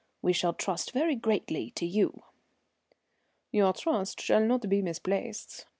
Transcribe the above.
We shall trust very greatly to you." "Your trust shall not be misplaced.